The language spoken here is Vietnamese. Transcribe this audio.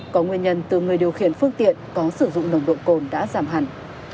có nguyên nhân từ người điều khiển phương tiện có sử dụng nồng độ cồn đã giảm hẳn